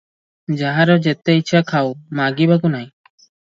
ଯାହାର ଯେତେ ଇଚ୍ଛା ଖାଉ, ମାଗିବାକୁ ନାହିଁ ।